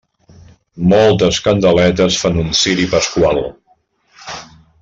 Moltes candeletes fan un ciri pasqual.